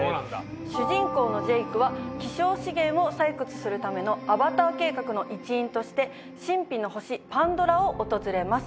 主人公のジェイクは希少資源を採掘するためのアバター計画の一員として神秘の星パンドラを訪れます。